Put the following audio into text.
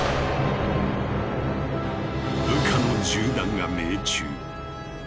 部下の銃弾が命中。